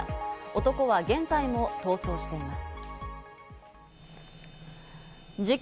男は現在も逃走しています。